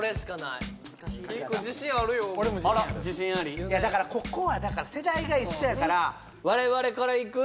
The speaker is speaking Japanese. いやだからここはだから世代が一緒やから我々からいく？